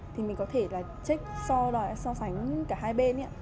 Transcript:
thì mình có thể trích so sánh cả hai bên